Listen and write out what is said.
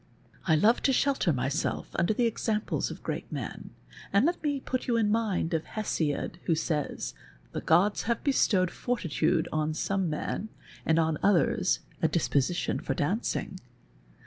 I love to shelter myself under the examples of great men, and let me put you in mind of Hesiod, who says, ' The gods have bestowed fortitude on some men, and on others a disposition for dancing.'